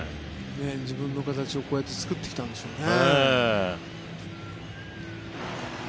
自分の形をこうやって作ってきたんでしょうね。